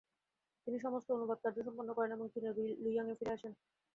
তিনি সমস্ত অনুবাদকার্য সম্পন্ন করেন এবং চীনের লুইয়াং-এ ফিরে আসেন।